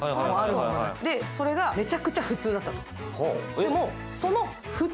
それがめちゃくちゃ普通だったの。